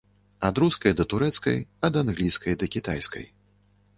Ад рускай да турэцкай, ад англійскай да кітайскай.